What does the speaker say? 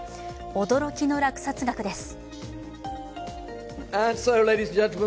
驚きの落札額です。